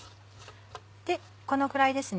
でこのくらいですね。